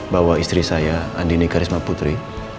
bahwa istri saya andini karisma putri